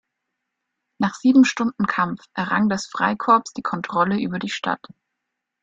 Nach sieben Stunden Kampf errang das Freikorps die Kontrolle über die Stadt.